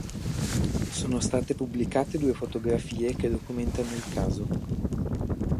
Sono state pubblicate due fotografie che documentano il caso.